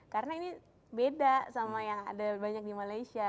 karena ini beda sama yang ada banyak di malaysia